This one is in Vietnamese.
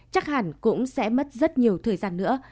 chắc hẳn cũng sẽ mất rất nhiều thời gian nữa